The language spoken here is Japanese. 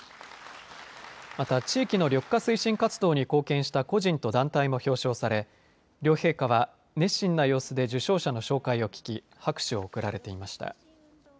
また地域の緑化推進活動に貢献した個人と団体も表彰され両陛下は熱心な様子で受賞者の紹介を聞き拍手を送られていました。